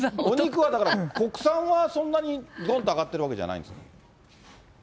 お肉はだから、国産はそんなにどんって上がってるわけじゃないんでしょ？